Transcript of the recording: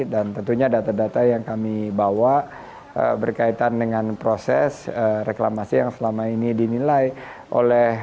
dan tentunya data data yang kami bawa berkaitan dengan proses reklamasi yang selama ini dinilai oleh